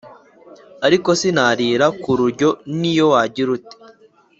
Ariko sinarira ku rujyo n’iyo wagira ute